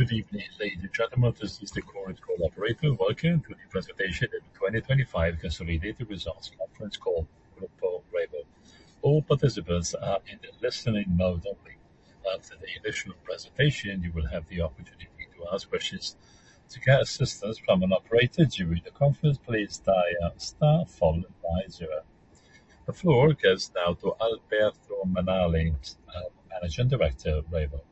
Good evening, ladies and gentlemen. This is the Chorus Call operator. Welcome to the presentation of the 2025 consolidated results conference call, Gruppo REVO. All participants are in the listening mode only. After the initial presentation, you will have the opportunity to ask questions. To get assistance from an operator during the conference, please dial star followed by zero. The floor goes now to Alberto Minali, Managing Director of REVO.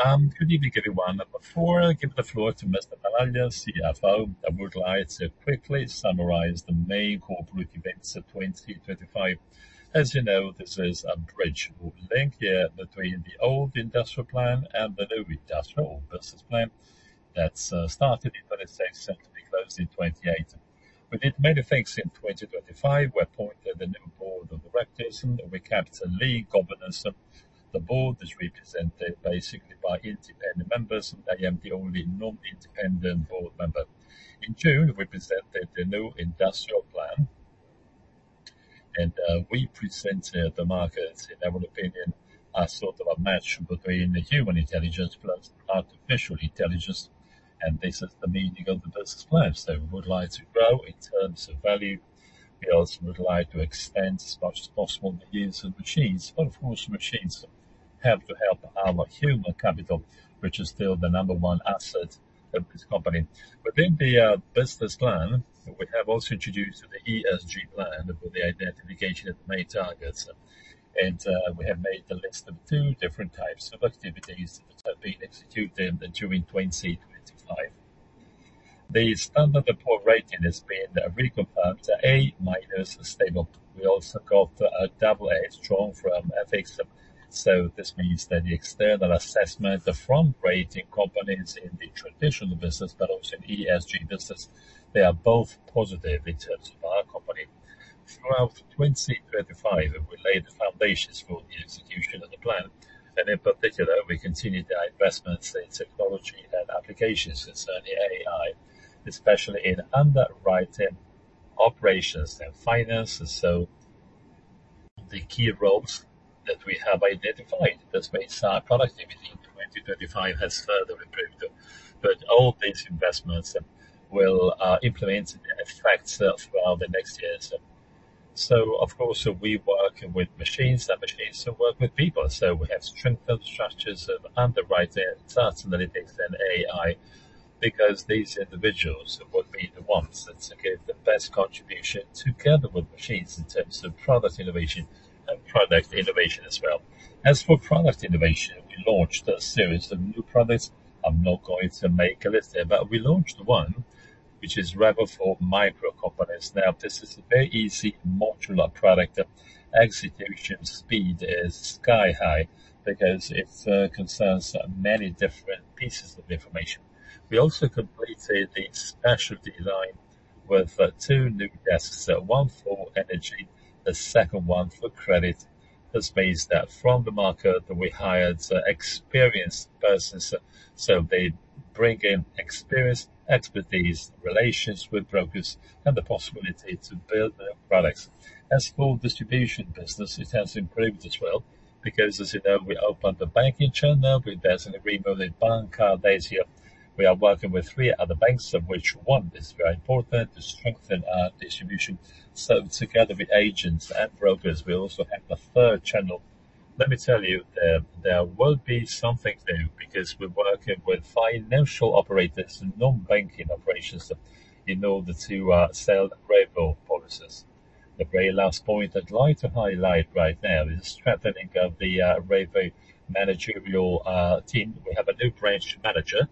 Please. Good evening everyone. Before I give the floor to Mr. Tanaglia, our CFO, I would like to quickly summarize the main corporate events of 2025. As you know, this is a bridge link year between the old industrial plan and the new industrial business plan that started in 2025 to be closed in 2028. We did many things in 2025. We appointed a new board of directors, and we kept a lean governance of the board, which is represented basically by independent members. I am the only non-independent board member. In June, we presented the new industrial plan, and we presented to the markets, in our opinion, as sort of a match between the human intelligence plus artificial intelligence, and this is the meaning of the business plan. We would like to grow in terms of value. We also would like to expand as much as possible the use of machines. Of course, machines have to help our human capital, which is still the number one asset of this company. Within the business plan, we have also introduced the ESG plan with the identification of the main targets, and we have made a list of two different types of activities which are being executed during 2025. The Standard & Poor's rating has been reconfirmed to A- stable. We also got a AA strong from Fitch. This means that the external assessment from rating companies in the traditional business, but also in ESG business, they are both positive in terms of our company. Throughout 2025, we laid the foundations for the execution of the plan, and in particular, we continued our investments in technology and applications, and certainly AI, especially in underwriting operations and finance. The key roles that we have identified, this makes our productivity in 2025 has further improved. All these investments will implement and affect throughout the next years. Of course, we work with machines, and machines work with people. We have strengthened structures of underwriting, data analytics, and AI, because these individuals would be the ones that give the best contribution together with machines in terms of product innovation and project innovation as well. As for product innovation, we launched a series of new products. I'm not going to make a list there, but we launched one which is REVO for Microenterprise. Now, this is a very easy modular product. Execution speed is sky-high because it concerns many different pieces of information. We also completed the specialty line with two new desks, one for energy, the second one for credit. This means that from the market, we hired experienced persons, so they bring in experience, expertise, relations with brokers, and the possibility to build the products. As for distribution business, it has improved as well because, as you know, we opened the banking channel with an agreement with Banco Desio. We are working with three other banks, of which one is very important to strengthen our distribution. Together with agents and brokers, we also have the third channel. Let me tell you, there will be something new because we're working with financial operators and non-banking operations in order to sell REVO policies. The very last point I'd like to highlight right now is the strengthening of the REVO managerial team. We have a new branch manager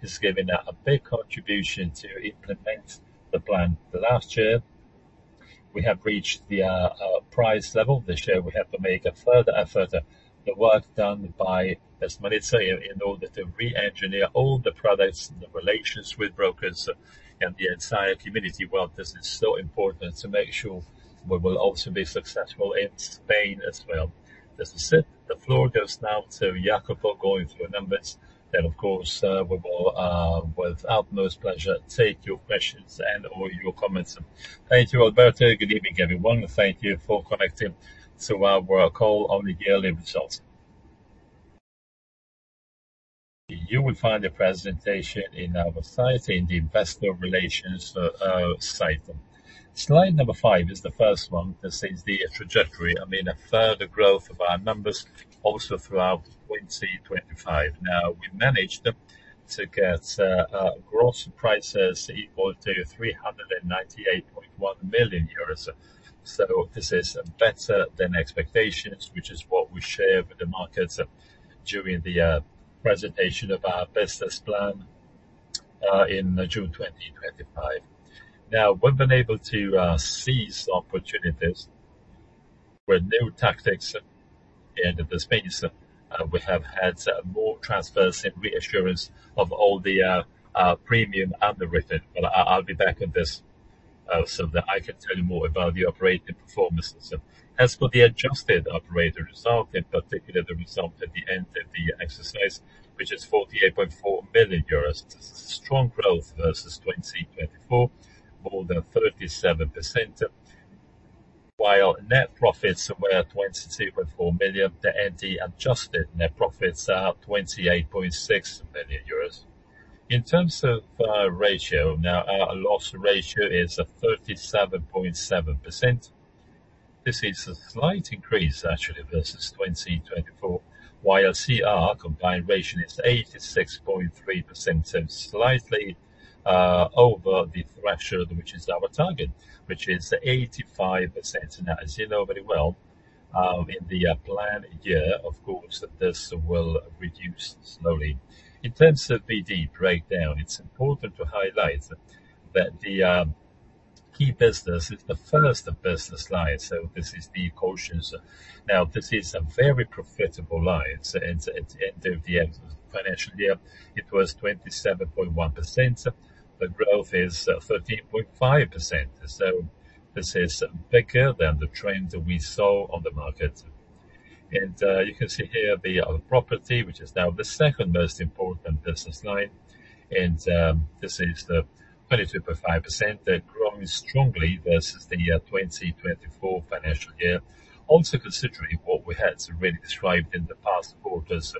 who's giving a big contribution to implement the plan for last year. We have reached the price level. This year, we have to make a further effort. The work done by Ms. Melissa in order to re-engineer all the products, the relations with brokers, and the entire community world. This is so important to make sure we will also be successful in Spain as well. This is it. The floor goes now to Jacopo going through numbers. Of course, we will, with utmost pleasure, take your questions and/or your comments. Thank you, Alberto. Good evening, everyone. Thank you for connecting to our call on the yearly results. You will find the presentation in our site, in the investor relations site. Slide number five is the first one that says the trajectory. I mean, a further growth of our numbers also throughout 2025. Now, we managed to get gross premiums equal to 398.1 million euros. This is better than expectations, which is what we share with the markets during the presentation of our business plan in June 2025. Now, we've been able to seize opportunities with new tactics in the space. We have had more transfers and reinsurance of all the premium underwritten. I'll be back on this so that I can tell you more about the operating performances. As for the adjusted operating result, in particular, the result at the end of the exercise, which is 48.4 million euros. It is a strong growth versus 2024, more than 37%. Net profits were 22.4 million, the ND adjusted net profits are 28.6 million euros. In terms of ratio, now our loss ratio is 37.7%. This is a slight increase actually versus 2024, while CR combined ratio is 86.3%, so slightly over the threshold, which is our target, which is 85%. Now, as you know very well, in the plan year, of course, this will reduce slowly. In terms of BD breakdown, it's important to highlight that the key business is the first business line, so this is the cautions. Now, this is a very profitable line. At the end of the financial year, it was 27.1%. The growth is 13.5%. This is bigger than the trend that we saw on the market. You can see here the other property, which is now the second most important business line. This is 22.5% growing strongly versus the 2024 financial year. Also considering what we had already described in the past quarters.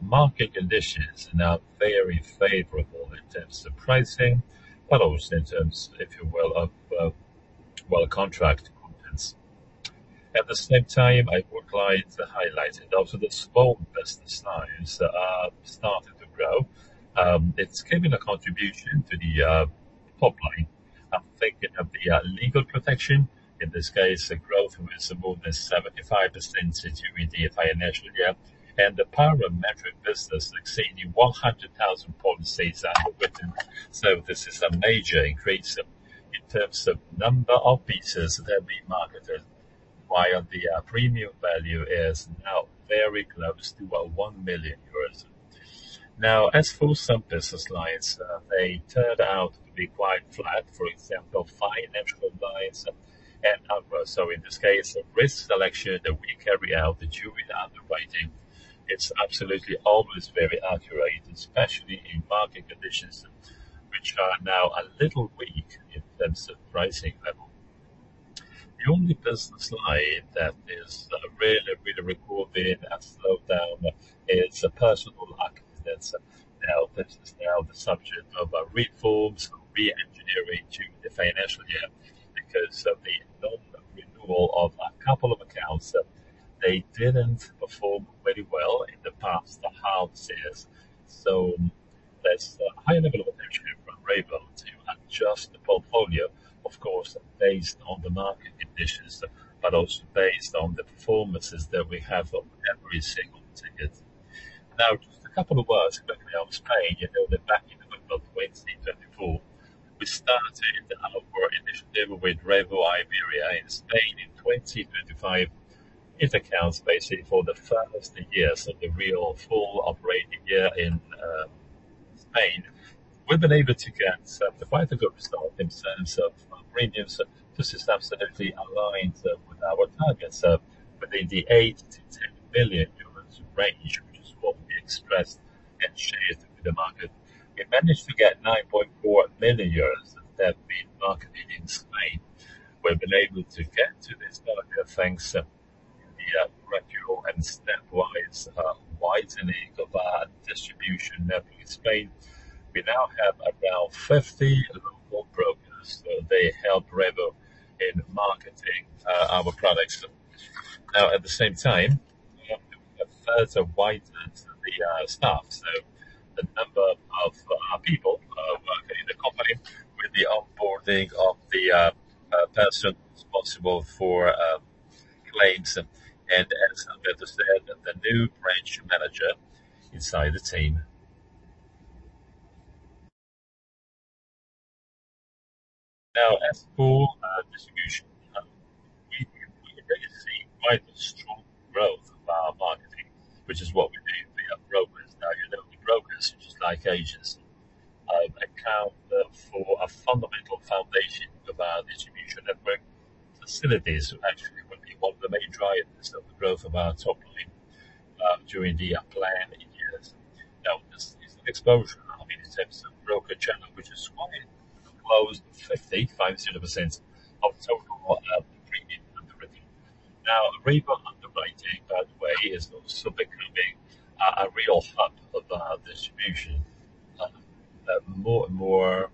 Market conditions are now very favorable in terms of pricing, but also in terms, if you will, of contract contents. At the same time, I would like to highlight it. Also, the small business lines have started to grow. It's giving a contribution to the top line. I'm thinking of the legal protection. In this case, the growth was more than 75% during the financial year. The parametric business exceeding 100,000 policies that were written. This is a major increase in terms of number of pieces that we marketed, while the premium value is now very close to 1 million euros. Now, as for some business lines, they turned out to be quite flat. For example, financial lines. In this case, risk selection that we carry out during underwriting, it's absolutely almost very accurate, especially in market conditions, which are now a little weak in terms of pricing level. The only business line that is really, really recording a slowdown is personal accidents. Now, this is now the subject of reforms, re-engineering during the financial year because of the non-renewal of a couple of accounts. They didn't perform very well in the past half years. There's a high level of attrition at REVO. We're able to adjust the portfolio, of course, based on the market conditions, but also based on the performances that we have of every single ticket. Now, just a couple of words about how it's paying. Back in the month of 2024, we started our initial deal with REVO Iberia in Spain in 2025. It accounts basically for the first years of the real full operating year in Spain. We've been able to get quite a good result in terms of our premiums. This is absolutely aligned with our targets of within the 8 billion-10 billion euros range, which is what we expressed and shared with the market. We managed to get 9.4 million euros that we marketed in Spain. We've been able to get to this market, thanks to the gradual and stepwise widening of our distribution network in Spain. We now have around 50 or more brokers. They help REVO in marketing our products. Now, at the same time, we have to further widen the staff. The number of people working in the company with the onboarding of the person responsible for claims and, as I've understood, the new branch manager inside the team. Now as for our distribution hub, we are going to see quite a strong growth of our marketing, which is what we do. We have brokers now. The brokers, just like agents, account for a fundamental foundation of our distribution network facilities. Actually, will be one of the main drivers of the growth of our top line during the upcoming years. Now, this is an exposure in terms of broker channel, which is swapping close to 50% of total premium underwriting. Now, REVO Underwriting, by the way, is also becoming a real hub of our distribution. More and more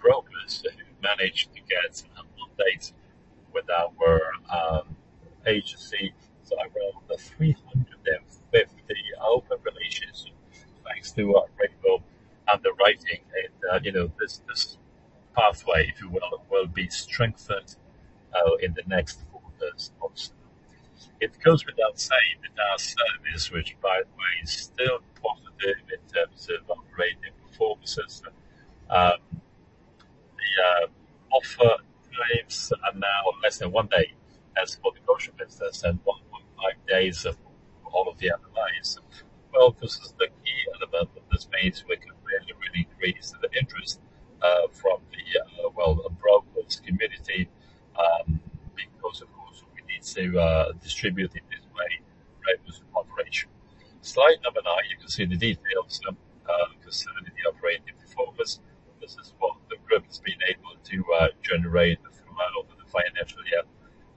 brokers who managed to get onboard with our agency. Over 350 open relationships, thanks to our REVO Underwriting. This pathway, if you will be strengthened in the next quarters also. It goes without saying that our service, which by the way, is still positive in terms of operating performances. The average claims are now less than one day as for the broker business, and 1.5 days for all of the other business. Well, this is the key development that's made. We can really, really increase the interest from the broad community, because of course, we need to distribute in this slide number nine, you can see the details, you can see the operating performance. This is what the group has been able to generate throughout the financial year.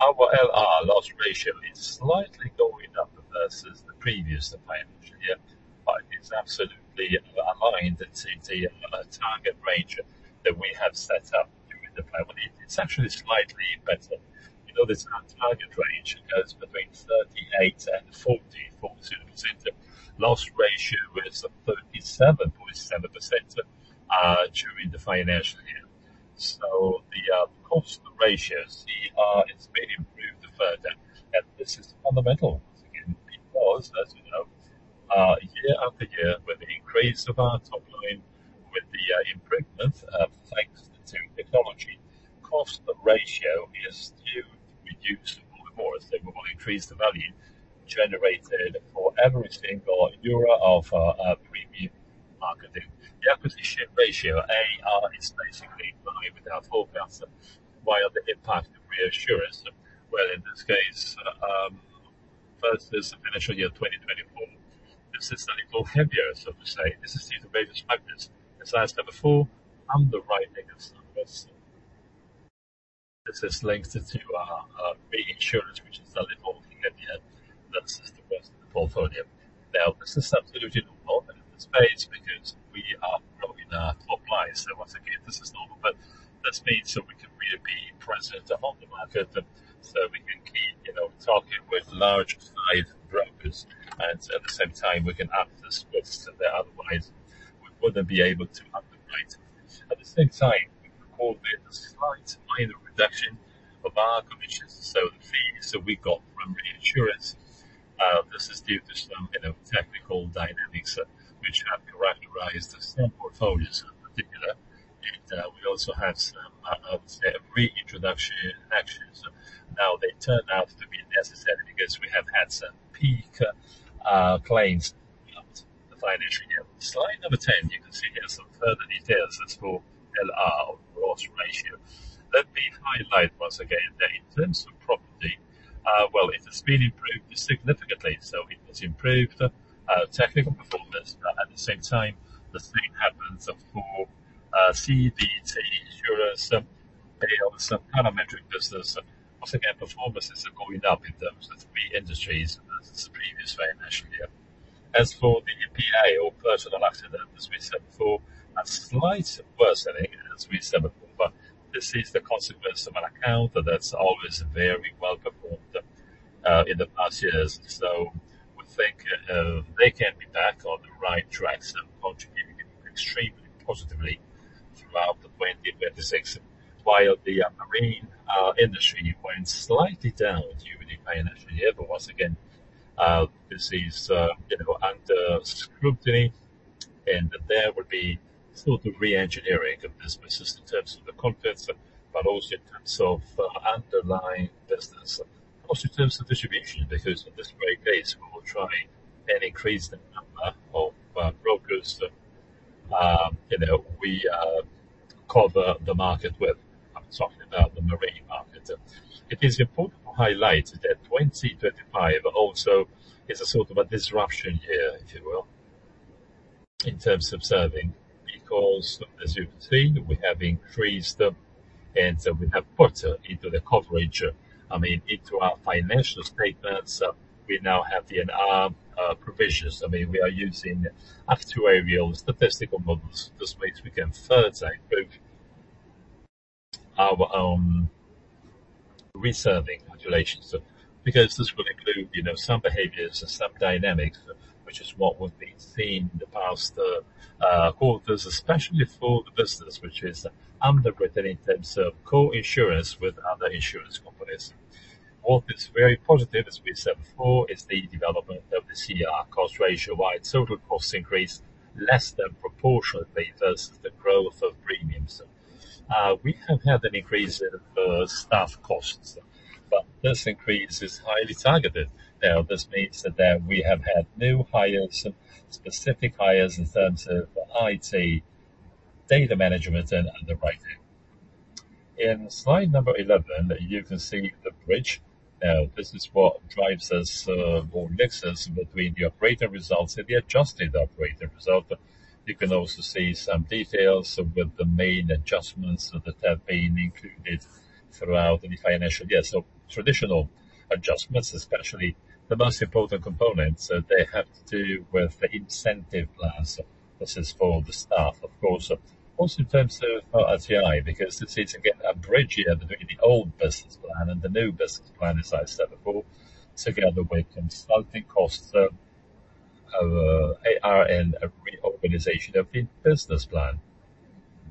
Our LR loss ratio is slightly going up versus the previous financial year, but it's absolutely aligned to the target range that we have set up during the plan. It's actually slightly better. You know this, our target range goes between 38% and 40%. Loss ratio is at 37.7% during the financial year. The cost ratio, CR, it's been improved further. This is fundamental, again, because as you know, year after year with the increase of our top line, with the improvement, thanks to technology, cost ratio is to reduce all the more as we will increase the value generated for every single euro of our premium income. The acquisition ratio, AR, is basically in line with our forecast. While the impact of reinsurance, well, in this case for the financial year 2024, this is a little heavier, so to say. This is due to various factors. As I said before, this is linked to our big insurance, which is a little heavier at the end. This is the rest of the portfolio. Now, this is absolutely normal in this space because we are growing our top line. Once again, this is normal. This means that we can really be present on the market, and so we can keep talking with large size brokers, and at the same time we can have the splits that otherwise we wouldn't be able to have them later. At the same time, we recorded a slight minor reduction of our commissions and certain fees that we got from the insurance. This is due to some kind of technical dynamics which have characterized some portfolios in particular. We also had some, I would say, reinsurance actions. Now they turned out to be necessary because we have had some peak claims throughout the financial year. Slide number 10, you can see here some further details as for LR, loss ratio. Let me highlight once again that in terms of property, well, it has been improved significantly. It has improved technical performance. At the same time, the same happens for CAT insurance, some parametric business, and once again, performances are going up in terms of the industries as in this previous financial year. As for the PA or personal accident, as we said before, a slight worsening as we said before, but this is the consequence of an account that's always very well performed, in the past years. We think they can be back on the right tracks and contributing extremely positively throughout 2026. While the marine industry went slightly down during the financial year. Once again, this is under scrutiny, and there will be still the re-engineering of businesses in terms of the contents, but also in terms of underlying business. Also in terms of distribution, because on this very base, we will try and increase the number of brokers that we cover the market with. I'm talking about the marine market. It is important to highlight that 2025 also is a sort of a disruption year, if you will, in terms of serving, because as you can see, we have increased and we have put into the coverage, I mean, into our financial statements, we now have DNR provisions. I mean, we are using actuarial statistical models. This means we can further improve our reserving calculations, because this will include some behaviors and some dynamics, which is what we've been seeing in the past quarters, especially for the business, which is underwritten in terms of co-insurance with other insurance companies. What is very positive, as we said before, is the development of the CR cost ratio, while total costs increase less than proportionately versus the growth of premiums. We have had an increase in staff costs, but this increase is highly targeted. Now, this means that we have had new hires, specific hires in terms of IT, data management, and underwriting. In slide number 11, you can see the bridge. Now, this is what drives us, or mixes between the operating results and the adjusted operating result. You can also see some details with the main adjustments that have been included throughout the financial year. Traditional adjustments, especially the most important components, they have to do with the incentive plans. This is for the staff, of course. Also in terms of RTI, because it's again a bridge between the old business plan and the new business plan, as I said before, together with consulting costs, our ARN reorganization of the business plan.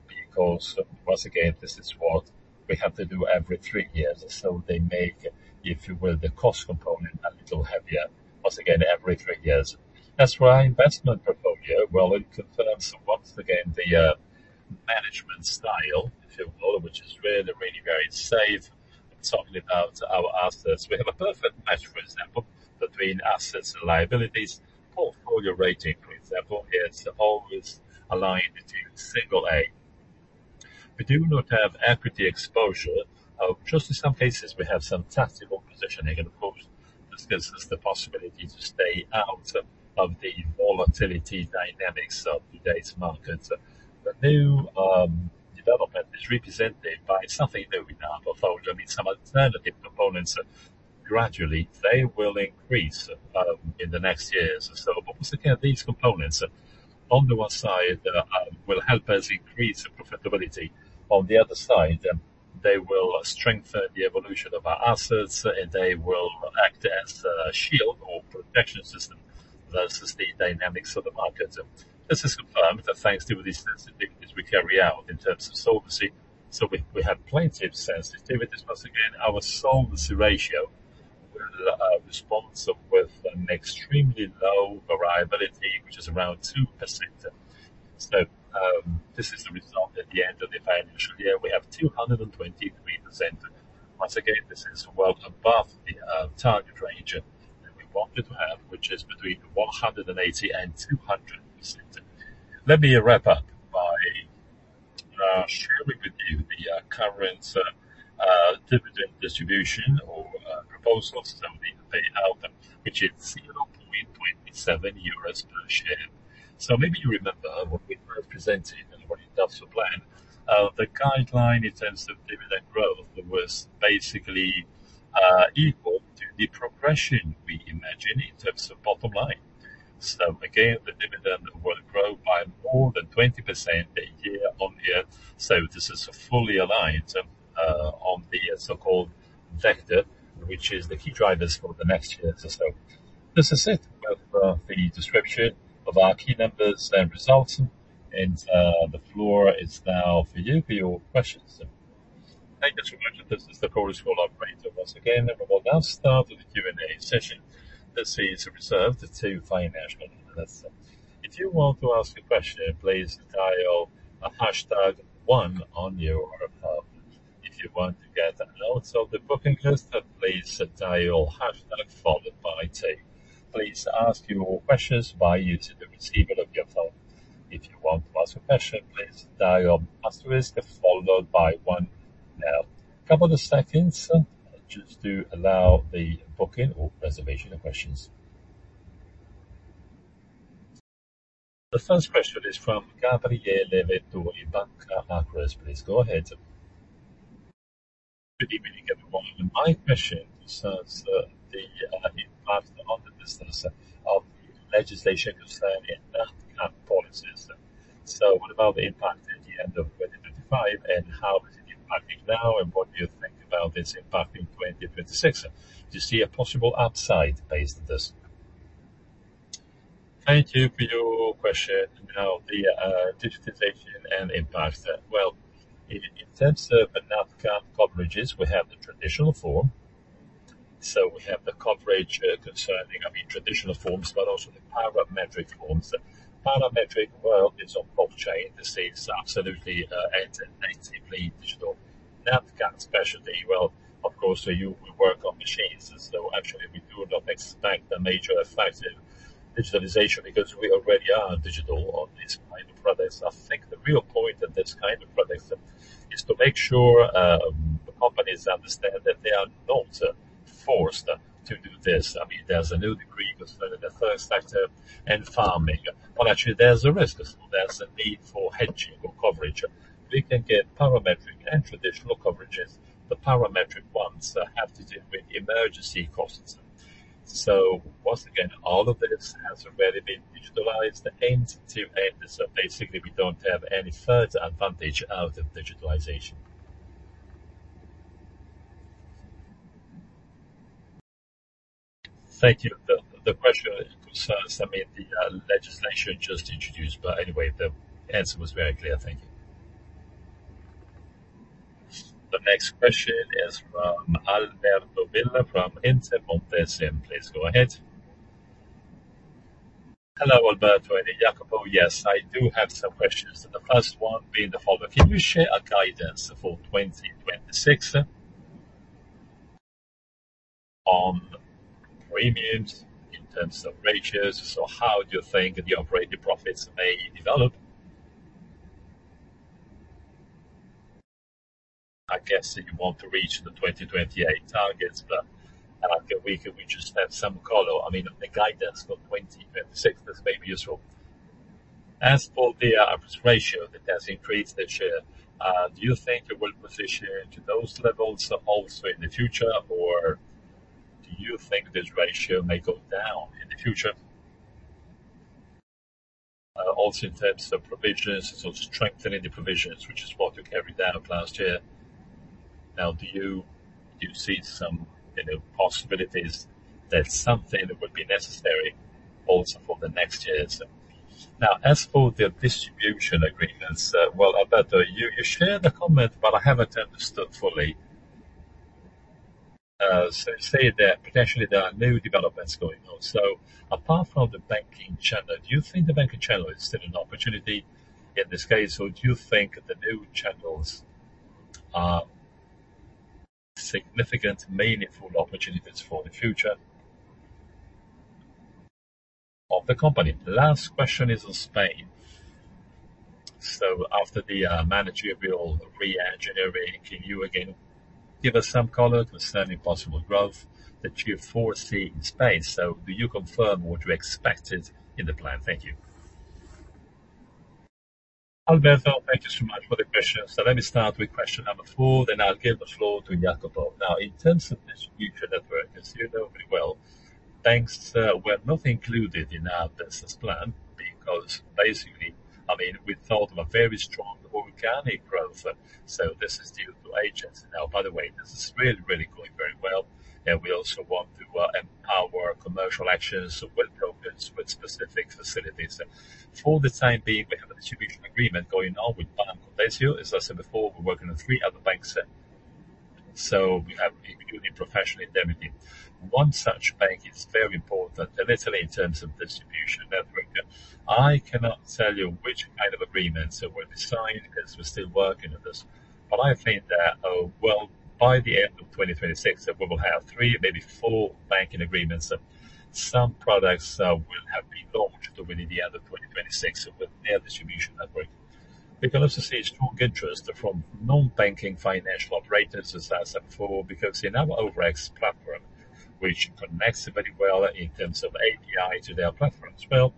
Because once again, this is what we have to do every three years. They make, if you will, the cost component a little heavier, once again, every three years. As for our investment portfolio, well, it confirms once again the management style, if you will, which is really very safe. I'm talking about our assets. We have a perfect match, for example, between assets and liabilities. Portfolio rating, for example, is always aligned to Single A. We do not have equity exposure. Just in some cases, we have some tactical positioning, and of course, this gives us the possibility to stay out of the volatility dynamics of today's market. The new development is represented by something that we have although, some alternative components, gradually they will increase in the next years. Obviously these components, on the one side, will help us increase profitability. On the other side, they will strengthen the evolution of our assets, and they will act as a shield or protection system versus the dynamics of the market. This is confirmed that thanks to these sensitivities we carry out in terms of solvency. We have plenty of sensitivities. Once again, our solvency ratio will respond with an extremely low variability, which is around 2%. This is the result at the end of the financial year. We have 223%. Once again, this is well above the target range that we wanted to have, which is between 180%-200%. Let me wrap up by sharing with you the current dividend distribution or proposal to somebody to pay out, which is 0.27 euros per share. Maybe you remember what we represented and what is also planned. The guideline in terms of dividend growth was basically equal to the progression we imagine in terms of bottom line. Again, the dividend will grow by more than 20% year-on-year. This is fully aligned on the so-called vector, which is the key drivers for the next year or so. This is it with the description of our key numbers and results, and the floor is now for you for your questions. Thank you so much. This is the operator once again. We'll now start with the Q&A session that seems reserved to financial analysts. The first question is from [Gabriele Lavitu] in Banca Akros. Please go ahead. Good evening, everyone. My question concerns the impact on the business of the legislation concerning in-app policies. What about the impact at the end of 2025, and how is it impacting now, and what do you think about its impact in 2026? Do you see a possible upside based on this? Thank you for your question. Now, the digitization and impact. Well, in terms of in-app coverages, we have the traditional form. So we have the coverage concerning, I mean, traditional forms, but also the parametric forms. The parametric world is on blockchain. This is absolutely and natively digital. Now, in that especially, well, of course, you will work on machines. Actually we do not expect a major effective digitization because we already are digital on this kind of products. I think the real point of this kind of products is to make sure the companies understand that they are not forced to do this. I mean, there's a new decree concerning the first sector and farming. Well, actually there's a risk, there's a need for hedging or coverage. We can get parametric and traditional coverages. The parametric ones have to do with emergency costs. Once again, all of this has already been digitized. The aim is to end this, so basically we don't have any further advantage out of digitization. Thank you. The question concerns, I mean, the legislation just introduced. Anyway, the answer was very clear. Thank you. The next question is from Alberto Villa from Intermonte SIM. Please go ahead. Hello, Alberto and Jacopo. Yes, I do have some questions. The first one being the following. Can we share a guidance for 2026 on premiums in terms of ratios? How do you think the operating profits may develop? I guess if you want to reach the 2028 targets, can we just have some color, I mean, on the guidance for 2026, that's maybe useful. As for the average ratio, that has increased this year, do you think it will position to those levels also in the future, or do you think this ratio may go down in the future? In terms of provisions, strengthening the provisions, which is what you carried out last year. Do you see some possibilities that something would be necessary also for the next years? As for the distribution agreements, well, Alberto, you shared the comment, but I haven't understood fully. Say that potentially there are new developments going on. Apart from the banking channel, do you think the banking channel is still an opportunity in this case, or do you think the new channels are significant, meaningful opportunities for the future? Of the company. The last question is on Spain. After the managerial re-engineering, can you again give us some color concerning possible growth that you foresee in Spain? Do you confirm what you expected in the plan? Thank you. Alberto, thank you so much for the question. Let me start with question number four, then I'll give the floor to Jacopo. Now, in terms of distribution networks, as you know very well, banks were not included in our business plan because basically, we thought of a very strong organic growth. This is due to agents. Now, by the way, this is really going very well, and we also want to empower commercial actions with brokers, with specific facilities. For the time being, we have a distribution agreement going on with Banco Desio. As I said before, we're working with three other banks. We have, including professional indemnity. One such bank is very important in Italy in terms of distribution network. I cannot tell you which kind of agreements that were decided, because we're still working on this. I think that, well, by the end of 2026, we will have three, maybe four banking agreements. Some products will have been launched within the end of 2026 with their distribution network. We can also see strong interest from non-banking financial operators, as I said before, because in our OVERX platform, which connects very well in terms of API to their platforms, well,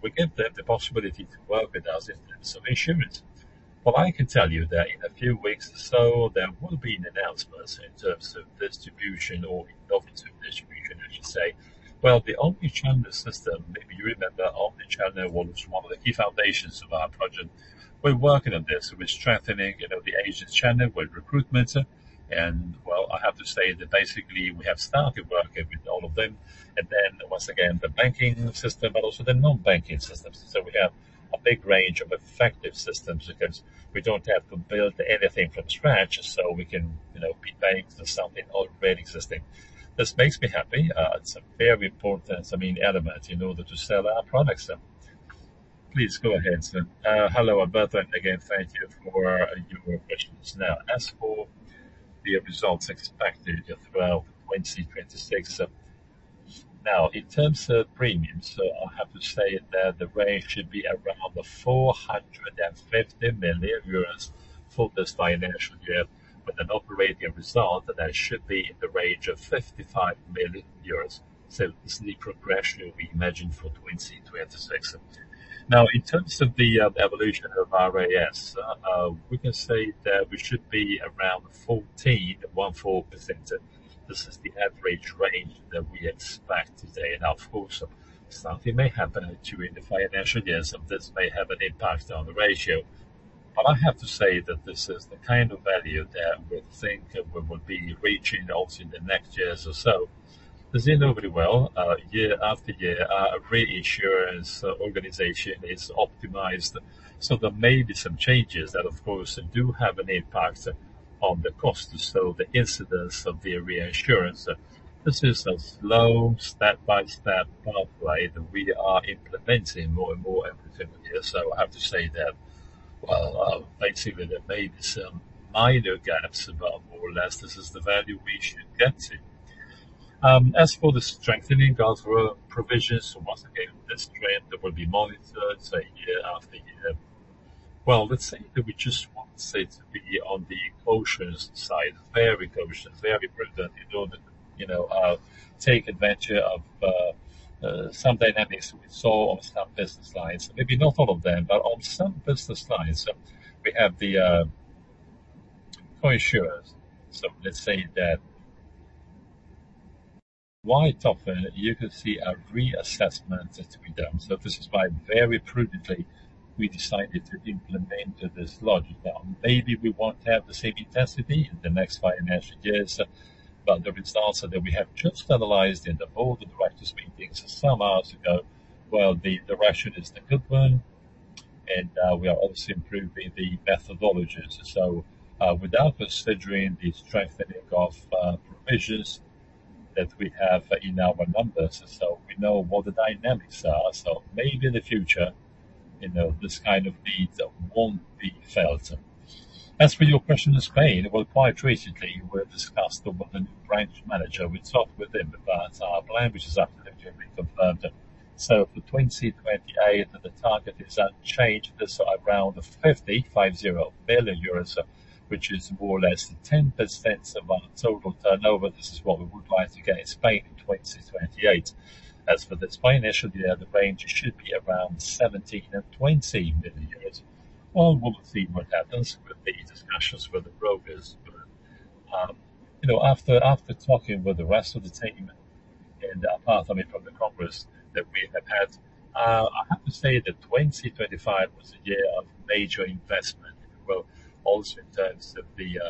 we give them the possibility to work with us if there's some issuance. What I can tell you that in a few weeks or so, there will be an announcement in terms of distribution or innovative distribution, as you say. Well, the omni-channel system, if you remember, omni-channel was one of the key foundations of our project. We're working on this. We're strengthening the agent channel. We're recruiting. Well, I have to say that basically we have started working with all of them. Once again, the banking system, but also the non-banking systems. We have a big range of different systems, because we don't have to build anything from scratch, so we can leverage something already existing. This makes me happy. It's a very important element in order to sell our products. Please go ahead. Hello, Alberto. Again, thank you for your questions. Now, as for the results expected throughout 2026. Now, in terms of premiums, I have to say that the range should be around 450 million euros for this financial year, with an operating result that should be in the range of 55 million euros. This is the progression we imagine for 2026. Now, in terms of the evolution of RAS, we can say that we should be around 14%. This is the average range that we expect today. Now, of course, something may happen during the financial years, and this may have an impact on the ratio. I have to say that this is the kind of value that we think we would be reaching also in the next years or so. As you know very well, year after year, our reinsurance organization is optimized. There may be some changes that, of course, do have an impact on the cost, the incidence of the reinsurance. This is a slow, step-by-step pathway that we are implementing more and more every single year. I have to say that, well, basically, there may be some minor gaps, but more or less, this is the value we should get. As for the strengthening of our provisions, once again, this trend will be monitored, say, year after year. Well, let's say that we just want to say to be on the cautious side, very cautious, very prudent in order to take advantage of some dynamics we saw on some business lines. Maybe not all of them, but on some business lines, we have the reinsurers. Let's say that quite often you can see a reassessment to be done. This is why very prudently we decided to implement this logic. Maybe we won't have the same intensity in the next financial years. The results that we have just analyzed in the board of directors meetings some hours ago, well, the ratio is the good one, and we are obviously improving the methodologies. Without considering the strengthening of provisions that we have in our numbers, so we know what the dynamics are. Maybe in the future, this kind of need won't be felt. As for your question on Spain, well, quite recently, we discussed with the branch manager. We talked with him about our plan, which is actually being confirmed. For 2028, the target is unchanged. That's around 50 million euros, which is more or less 10% of our total turnover. This is what we would like to get in Spain in 2028. As for this financial year, the range should be around 17 million-20 million euros. Well, we'll see what happens with the discussions with the brokers. After talking with the rest of the team apart from the congress that we have had, I have to say that 2025 was a year of major investment. Well, also in terms of the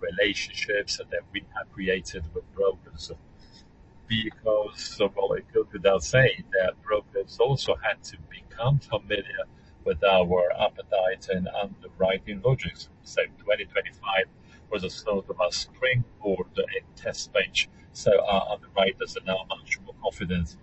relationships that we have created with brokers. Because, well, I could now say that brokers also had to become familiar with our appetite and underwriting logics. 2025 was a sort of a springboard, a test bench. Our underwriters are now much more confident,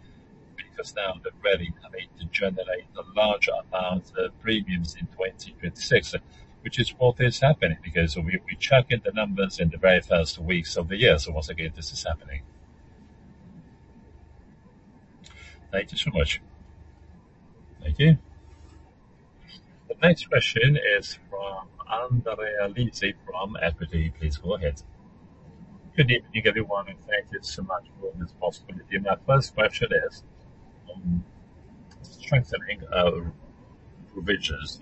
because now they're ready, I mean, to generate a larger amount of premiums in 2026, which is what is happening, because we check in the numbers in the very first weeks of the year. Once again, this is happening. Thank you so much. Thank you. The next question is from Andrea Lisi from Equita. Please go ahead. Good evening, everyone, and thank you so much for this possibility. My first question is on strengthening our provisions.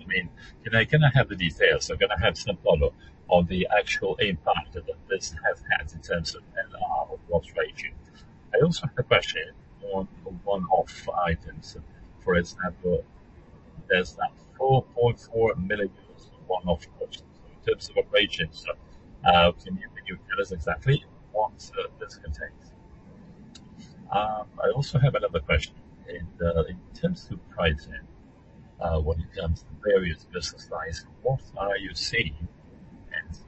Can I have the details? I'm going to have some follow on the actual impact that this has had in terms of LR or loss ratio. I also have a question on one-off items. For example, there's that 4.4 million of one-off costs in terms of operations. Can you tell us exactly what this contains? I also have another question. In terms of pricing, when it comes to various business lines, what are you seeing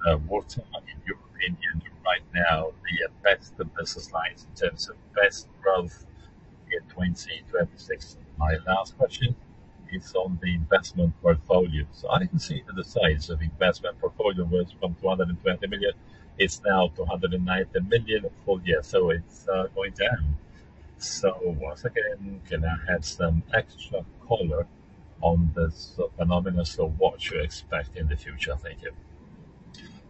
and what, in your opinion right now, are the best business lines in terms of best growth in 2026? My last question is on the investment portfolio. I can see the size of investment portfolio was from 220 million, it's now 219 million for year, so it's going down. Once again, can I have some extra color on this phenomenon, so what you expect in the future? Thank you.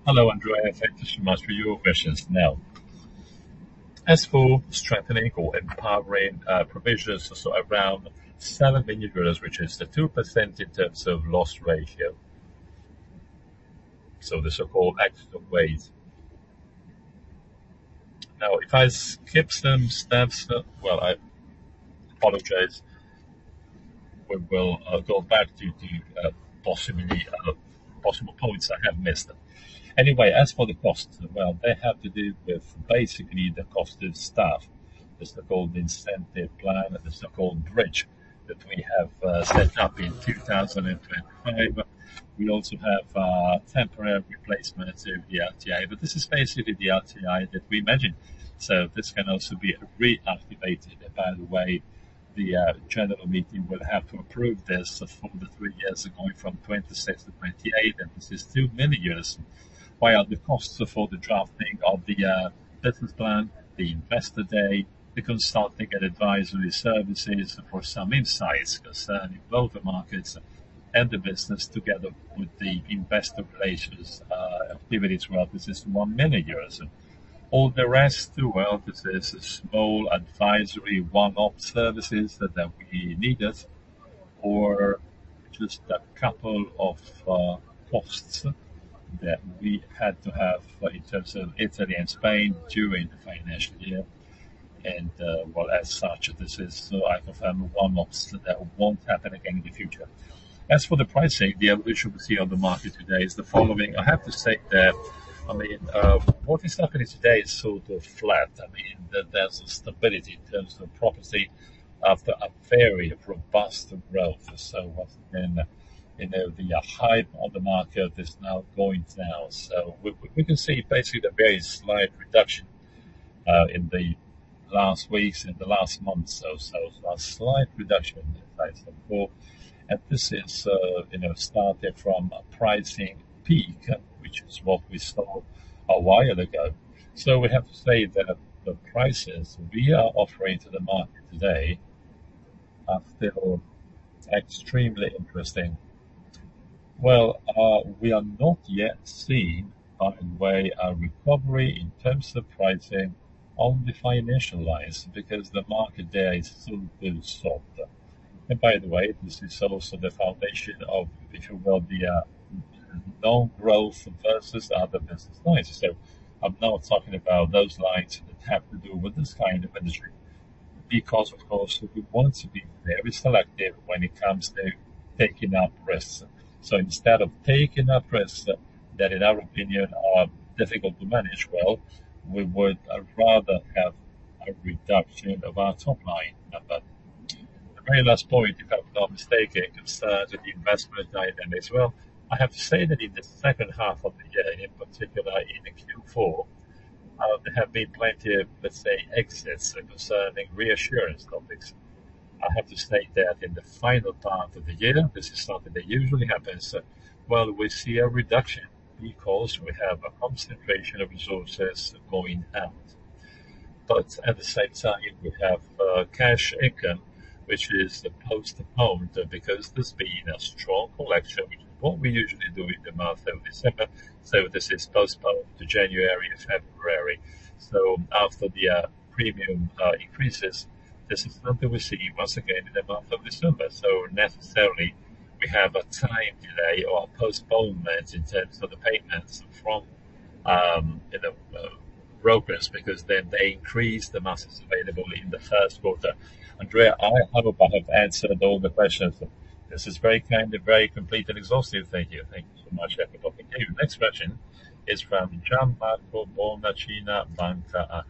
Hello, Andrea. Thank you so much for your questions. Now, as for strengthening or empowering provisions, so around 7 million euros, which is the 2% in terms of loss ratio, so the [so-called X ways]. Now, if I skip some steps, well, I apologize. We will go back to the possible points I have missed. Anyway, as for the costs, well, they have to do with basically the cost of staff. There's the golden incentive plan and the so-called bridge that we have set up in 2025. We also have our temporary replacement of the RTI, but this is basically the RTI that we imagined. This can also be reactivated. By the way, the general meeting will have to approve this for the three years going from 2026 to 2028, and this is EUR 2 million. While the costs for the drafting of the business plan, the investor day, the consulting and advisory services for some insights concerning both the markets and the business, together with the investor relations activities, well, this is 1 million. All the rest, well, this is small advisory one-off services that we needed or just a couple of costs that we had to have in terms of Italy and Spain during the financial year. Well, as such, this is, I confirm, one-offs that won't happen again in the future. As for the pricing, what we see on the market today is the following. I have to say that what is happening today is sort of flat. There's a stability in terms of property after a very robust growth. Once again, the hype of the market is now going down. We can see basically the very slight reduction in the last weeks, in the last months or so, a slight reduction in price of core. This started from a pricing peak, which is what we saw a while ago. We have to say that the prices we are offering to the market today are still extremely interesting. Well, we are not yet seeing, by the way, a recovery in terms of pricing on the financial lines because the market there is still softer. By the way, this is also the foundation of if you will, the non-growth versus the other business lines. I'm not talking about those lines that have to do with this kind of industry because, of course, we want to be very selective when it comes to taking up risks. Instead of taking up risks that in our opinion are difficult to manage well, we would rather have a reduction of our top line. The very last point, if I'm not mistaken, concerns the investment dynamics. Well, I have to say that in the second half of the year, in particular in the Q4, there have been plenty of, let's say, exits concerning reinsurance topics. I have to state that in the final part of the year, this is something that usually happens. Well, we see a reduction because we have a concentration of resources going out. At the same time, we have cash income, which is postponed because there's been a strong collection, which is what we usually do in the month of December. This is postponed to January, February. After the premium increases, this is something we see once again in the month of December. Necessarily we have a time delay or a postponement in terms of the payments from brokers, because then they increase the masses available in the first quarter. Andrea, I hope I have answered all the questions. This is very kind, very complete and exhaustive. Thank you. Thank you so much. Thank you. Next question is from Gianmarco Bonacina, Banca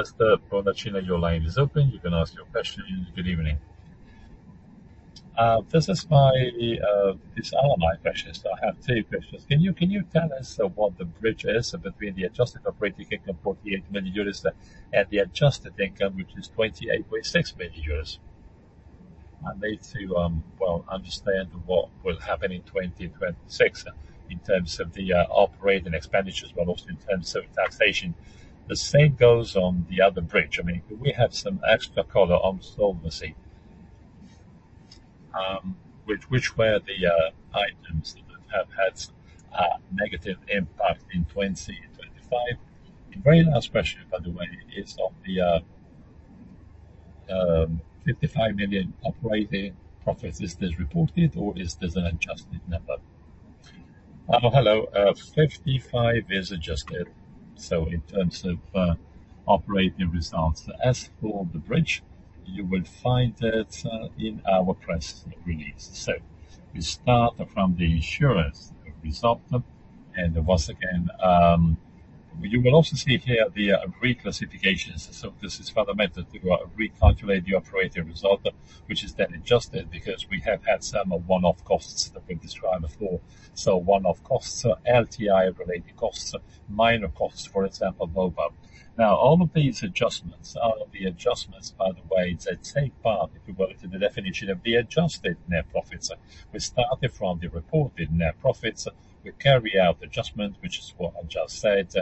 Akros. Mr. Bonacina, your line is open. You can ask your question. Good evening. These are my questions. I have three questions. Can you tell us what the bridge is between the adjusted operating income, 48 million euros, and the adjusted income, which is 28.6 million euros? I need to well understand what will happen in 2026 in terms of the operating expenditures, but also in terms of taxation. The same goes on the other bridge. We have some extra color on solvency, which were the items that have had some negative impact in 2025. The very last question, by the way, is on the 55 million operating profit. Is this reported or is this an adjusted number? Hello. 55 million is adjusted. In terms of operating results, as for the bridge, you will find that in our press release. We start from the insurance result. Once again, you will also see here the reclassifications. This is fundamental to recalculate the operating result, which is then adjusted because we have had some one-off costs that we described before. One-off costs are LTI-related costs, minor costs, for example, mobile. Now, all of these adjustments are the adjustments, by the way, that take part, if you will, to the definition of the adjusted net profits. We start from the reported net profits. We carry out adjustments, which is what I just said.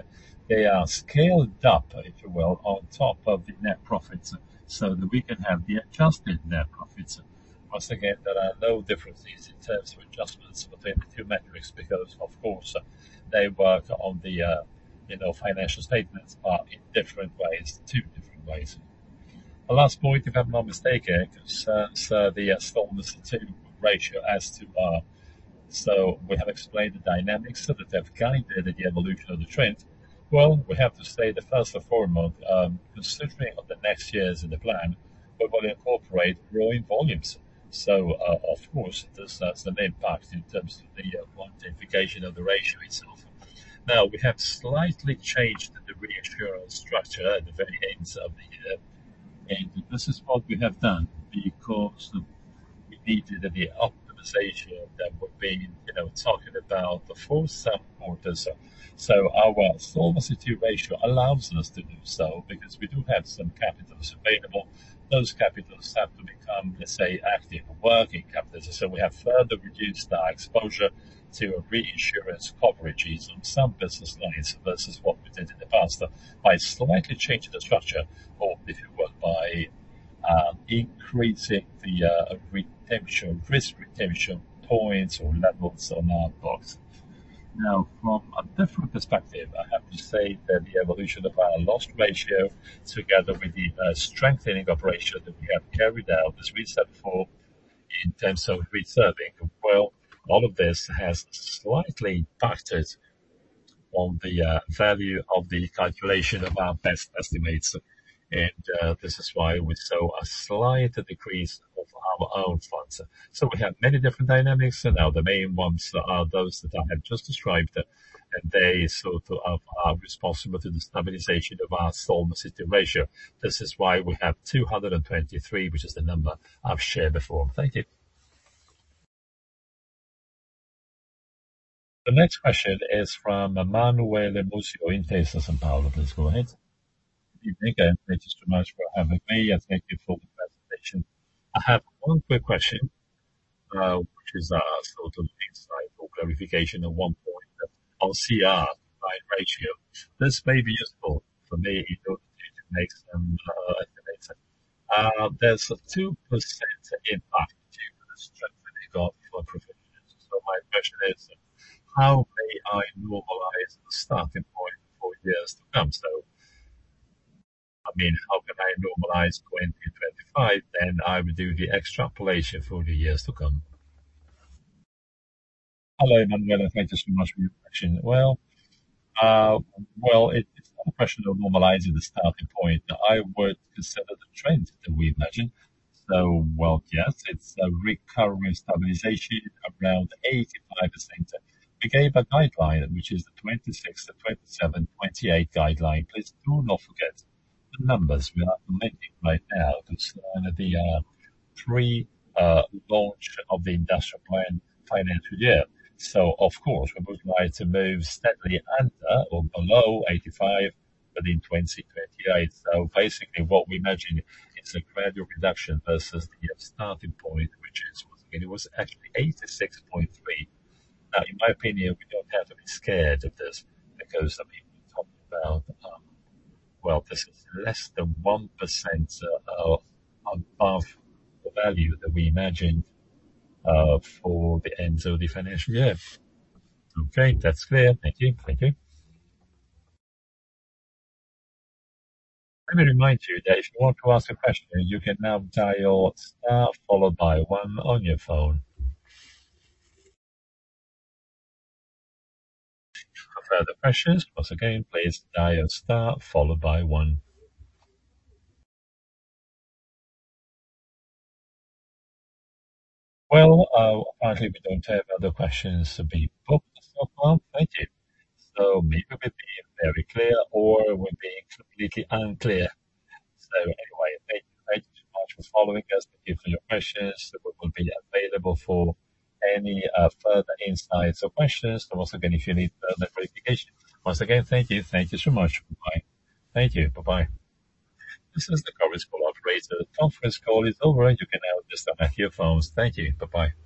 They are scaled up, if you will, on top of the net profits so that we can have the adjusted net profits. Once again, there are no differences in terms of adjustments between the two metrics because, of course, they work on the financial statements but in different ways, two different ways. The last point, if I'm not mistaken, concerns the solvency ratio as to our... We have explained the dynamics of the decline there, the evolution of the trend. Well, we have to say the first four months, considering of the next years in the plan, we will incorporate growing volumes. Of course, that's an impact in terms of the quantification of the ratio itself. Now, we have slightly changed the reinsurance structure at the very end of the year, and this is what we have done because we needed a bit optimization that we've been talking about the fourth quarter. Our solvency ratio allows us to do so because we do have some capitals available. Those capitals have to become, let's say, active working capitals. We have further reduced our exposure to reinsurance coverages on some business lines versus what we did in the past by slightly changing the structure, by increasing the risk retention points or net books on our books. Now, from a different perspective, I have to say that the evolution of our loss ratio together with the strengthening operation that we have carried out, as we said before, in terms of reserving, well, all of this has slightly impacted on the value of the calculation of our best estimates. This is why we saw a slight decrease of our own funds. We have many different dynamics, and now the main ones are those that I have just described, and they sort of are responsible for the stabilization of our solvency ratio. This is why we have 223%, which is the number I've shared before. Thank you. The next question is from Emanuele Musio, Intesa Sanpaolo. Please go ahead. Good evening. Thank you so much for having me. Thank you for the presentation. I have one quick question, which is sort of insight or clarification on one point on CR ratio. This may be useful for me if it makes some estimate. There's a 2% impact due to the strengthening of provisions. My question is, how may I normalize the starting point for years to come? How can I normalize 2025, then I will do the extrapolation for the years to come. Hello, Emanuele. Thank you so much for your question. Well, it's not a question of normalizing the starting point. I would consider the trend that we imagine. Well, yes, it's a recurring stabilization around 85%. We gave a guideline, which is the 2026 to 2027, 2028 guideline. Please do not forget the numbers we are making right now because of the three-year launch of the industrial plan for the financial year. Of course, we would like to move steadily under or below 85% by the end of 2028. Basically what we imagine is a gradual reduction versus the starting point, which once again, it was actually 86.3%. Now, in my opinion, we don't have to be scared of this because, I mean, we're talking about, well, this is less than 1% above the value that we imagined for the end of the financial year. Okay. That's clear. Thank you. Thank you. Maybe we're being very clear, or we're being completely unclear. Anyway, thank you. Thank you so much for following us. Thank you for your questions. We will be available for any further insights or questions. Once again, if you need further clarification. Once again, thank you. Thank you so much. Bye. Thank you. Bye-bye.